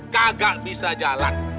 kagak bisa jalan